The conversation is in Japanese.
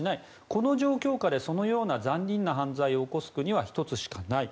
この状況下でそのような残忍な犯罪を起こす国は１つしかない。